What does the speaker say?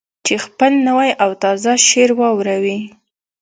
چې خپل نوی او تازه شعر واوروي.